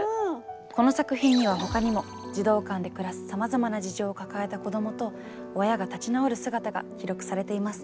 この作品にはほかにも児童館で暮らすさまざまな事情を抱えた子どもと親が立ち直る姿が記録されています。